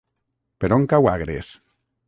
Per on cau Agres?